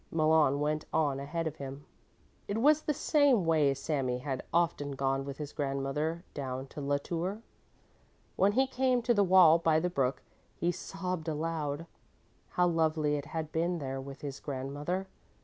Malon went on ahead of him. It was the same way Sami had often gone with his grandmother down to La Tour. When he came to the wall by the brook, he sobbed aloud. How lovely it had been there with his grandmother!